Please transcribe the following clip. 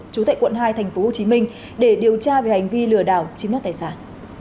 chủ tệ quận hai tp hcm để điều tra về hành vi lừa đảo chiếm đoạt tài sản